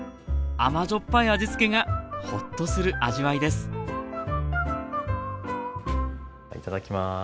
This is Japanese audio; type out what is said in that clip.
甘じょっぱい味付けがホッとする味わいですいただきます。